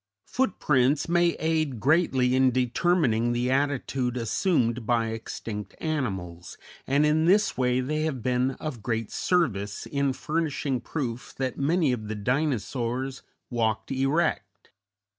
Footprints may aid greatly in determining the attitude assumed by extinct animals, and in this way they have been of great service in furnishing proof that many of the Dinosaurs walked erect.